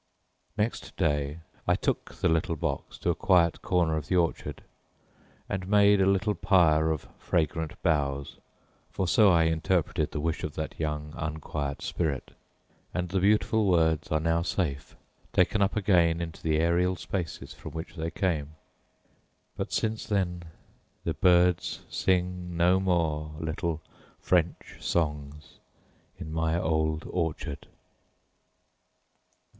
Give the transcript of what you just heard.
Next day I took the little box to a quiet corner of the orchard, and made a little pyre of fragrant boughs for so I interpreted the wish of that young, unquiet spirit and the beautiful words are now safe, taken up again into the aerial spaces from which they came. But since then the birds sing no more little French songs in my old orchard.